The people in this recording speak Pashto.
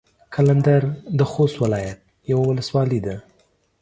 قلندر د خوست ولايت يوه ولسوالي ده.